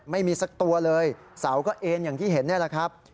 ไม่มีสักตัวเลยเสาก็เอ็นอย่างที่เห็นนี่แหละครับ